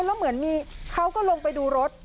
แล้วเหมือนมีเขาก็ลงไปดูรถ